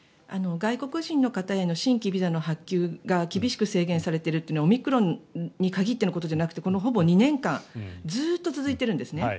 外国人の方への新規ビザの発給が厳しく制限されているのはオミクロンに限ってのことじゃなくてこのほぼ２年間ずっと続いているんですね。